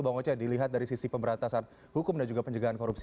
bang oce dilihat dari sisi pemberantasan hukum dan juga penjagaan korupsi